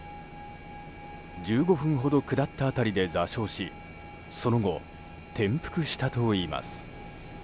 １５分ほど下った辺りで座礁しその後、転覆したといいます。